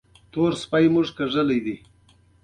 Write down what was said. ګیلاس د مینې ترخه شیرین کوي.